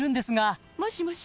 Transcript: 「もしもし？」